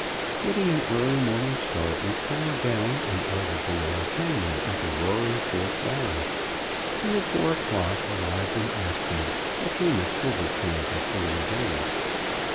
Getting an early morning start, we trailed down and out of the long canyon into Roaring Fork Valley, and at four o'clock arrived in Aspen, a famous silver camp of early days.